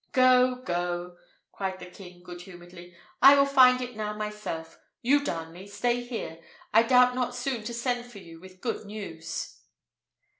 "Go, go!" cried the king, good humouredly. "I will find it now myself. You, Darnley, stay here. I doubt not soon to send for you with good news."